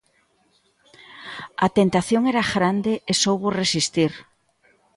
A tentación era grande, e soubo resistir.